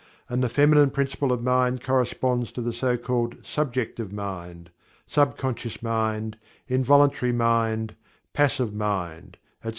And the Feminine Principle of Mind corresponds to the so called Subjective Mind; Sub conscious Mind; Involuntary Mind; Passive Mind, etc.